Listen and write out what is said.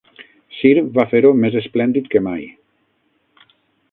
Cir va fer-ho més esplèndid que mai.